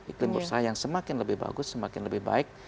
iklim berusaha yang semakin lebih bagus semakin lebih baik